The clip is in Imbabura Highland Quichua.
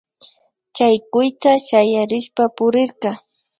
Chay kuytsa shayarishpa purirka